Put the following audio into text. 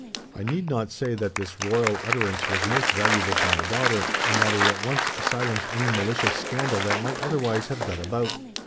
"I need not say that this royal utterance was most valuable to my daughter, and that it at once silenced any malicious scandal that might otherwise have got about.